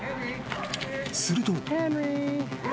［すると］